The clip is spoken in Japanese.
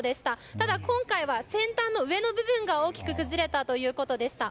ただ、今回は先端の上の部分が大きく崩れたということでした。